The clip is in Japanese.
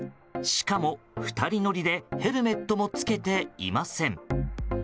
しかも２人乗りでヘルメットも着けていません。